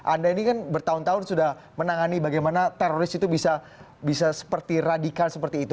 anda ini kan bertahun tahun sudah menangani bagaimana teroris itu bisa seperti radikal seperti itu